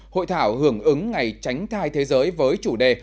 hội thảo hưởng ứng ngày tránh thai thế giới với chủ đề